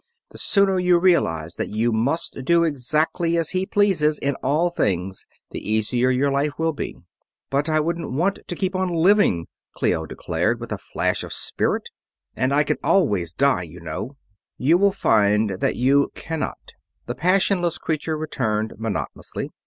"The sooner you realize that you must do exactly as he pleases, in all things, the easier your life will be." "But I wouldn't want to keep on living!" Clio declared, with a flash of spirit. "And I can always die, you know." "You will find that you cannot," the passionless creature returned, monotonously.